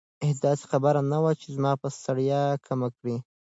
هیڅ داسې خبره نه وه چې زما ستړیا کمه کړي.